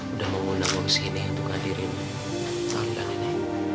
udah mau nunggu disini untuk hadirin tahanila nanti